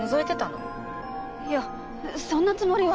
いやそんなつもりは。